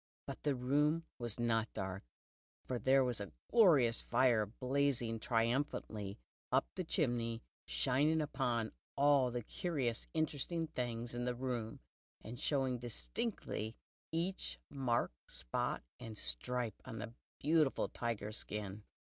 But the room was not dark, for there was a glorious fire, blazing triumphantly up the chimney, shining upon all the curious interesting things in the room, and showing distinctly each mark, spot, and stripe on the beautiful tiger skin.